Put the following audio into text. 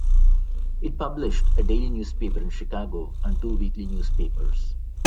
It published a daily newspaper in Chicago and two weekly newspapers.